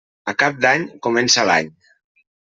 A Cap d'Any comença l'any.